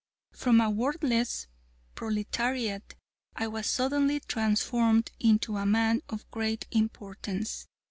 From a worthless proletariat I was suddenly transformed into a man of great importance.